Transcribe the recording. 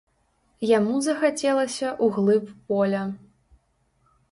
Яму захацелася ў глыб поля.